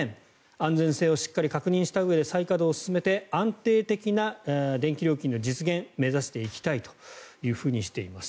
安全性をしっかり確認したうえで再稼働を進めて安定的な電気料金の実現を目指していきたいというふうにしています。